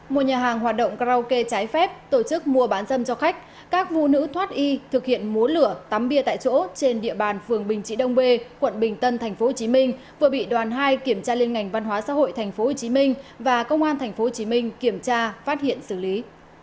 một nhà hàng hoạt động karaoke trái phép tổ chức mua bán dâm cho khách các phụ nữ thoát y thực hiện múa lửa tắm bia tại chỗ trên địa bàn phường bình trị đông bê quận bình tân tp hcm vừa bị đoàn hai kiểm tra liên ngành văn hóa xã hội tp hcm và công an tp hcm kiểm tra phát hiện xử lý